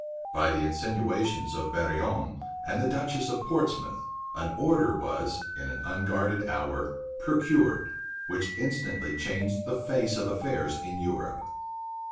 By the insinuations of Barillon and the duchess of Portsmouth, an order was, in an unguarded hour, procured, which instantly changed the face of affairs in Europe.